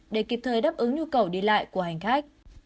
để kịp thời đáp ứng nhu cầu đi lại của hành khách